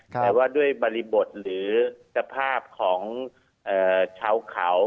แต่ว่าด้วยบริบทหรือสภาพของชาวเขา